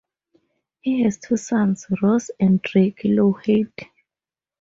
He has two sons, Ross and Drake Lawhead.